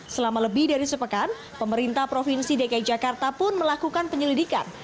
selama lebih dari sepekan pemerintah provinsi dki jakarta pun melakukan penyelidikan